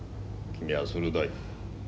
君は鋭い。